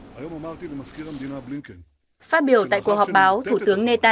phát biểu tại cuộc họp báo thủ tướng netanyahu đã đề xuất ngừng bắn của lực lượng hamas ở gaza